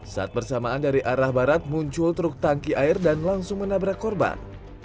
saat bersamaan dari arah barat muncul truk tangki air dan langsung menabrak korban